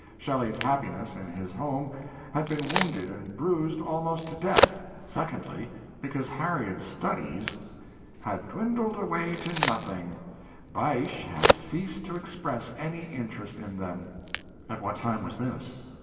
Shelley's happiness in his home had been wounded and bruised almost to death, secondly, because Harriet's studies "had dwindled away to nothing, Bysshe had ceased to express any interest in them." At what time was this?